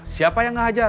siapa yang menghajar